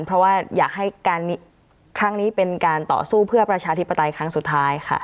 เพราะว่าอยากให้ครั้งนี้เป็นการต่อสู้เพื่อประชาธิปไตยครั้งสุดท้ายค่ะ